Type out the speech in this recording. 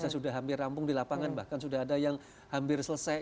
sudah hampir rampung di lapangan bahkan sudah ada yang hampir selesai